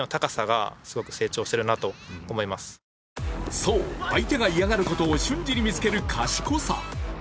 そう、相手が嫌がることを瞬時に見つける賢さ。